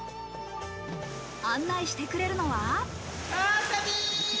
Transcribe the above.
案内してくれるのは。